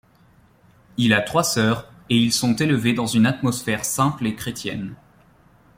Il a trois sœurs, et ils sont élevés dans une atmosphère simple et chrétienne.